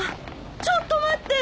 ・ちょっと待って！